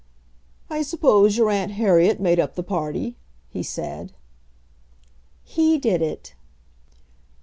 "I suppose your aunt Harriet made up the party," he said. "He did it."